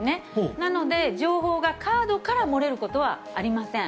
なので情報がカードから漏れることはありません。